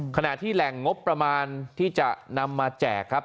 ขณะที่แหล่งงบประมาณที่จะนำมาแจกครับ